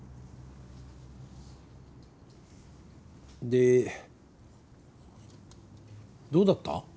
でどうだった？